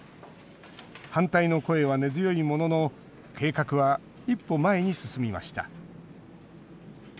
反対の声は根強いものの計画は一歩、前に進みました。